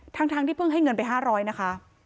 ทั้งที่เพิ่งให้เงินไป๕๐๐นะคะ